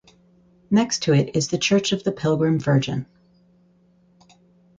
Next to it is the church of the Pilgrim Virgin.